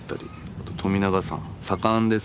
あと富永さん左官です。